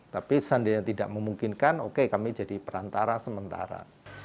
tapi seandainya tidak memungkinkan oke kami jadi perantara sementara